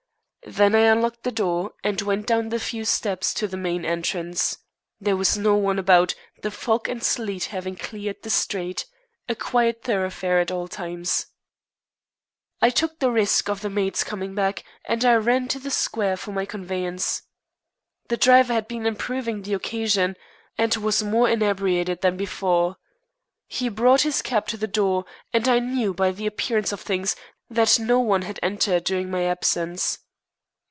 Then I unlocked the door, and went down the few steps to the main entrance. There was no one about, the fog and sleet having cleared the street a quiet thoroughfare at all times. I took the risk of the maids coming back, and I ran to the square for my conveyance. The driver had been improving the occasion, and was more inebriated than before. He brought his cab to the door, and I knew, by the appearance of things, that no one had entered during my absence.